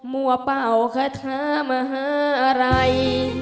มัวเป่าขทะมหารัย